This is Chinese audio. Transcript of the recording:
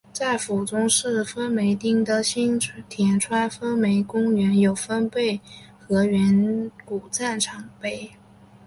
在府中市分梅町的新田川分梅公园有分倍河原古战场碑。